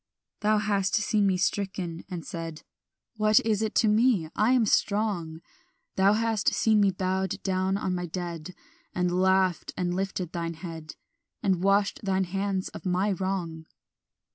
"Thou hast seen me stricken, and said, What is it to me? I am strong: Thou hast seen me bowed down on my dead And laughed and lifted thine head, And washed thine hands of my wrong.